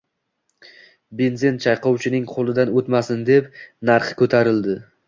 Benzin chayqovchining qoʻlidan oʻtmasin deb, narxi koʻtarildi.